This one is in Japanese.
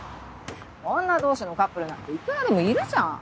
女同士のカップルなんていくらでもいるじゃん。